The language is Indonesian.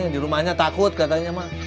yang di rumahnya takut katanya mah